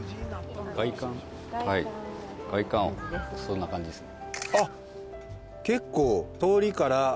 外観外観はそんな感じですね